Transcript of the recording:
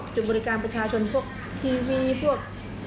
จุดบริการประชาชนพวกทีวีพวก